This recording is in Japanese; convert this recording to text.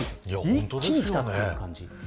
一気にきたという感じ。